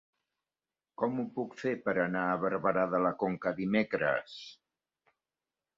Com ho puc fer per anar a Barberà de la Conca dimecres?